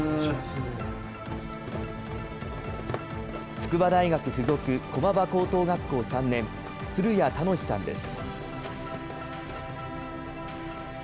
筑波大学附属駒場高等学校３年、古屋楽さんです。